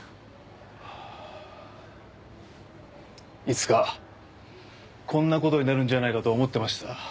いつかこんな事になるんじゃないかと思ってました。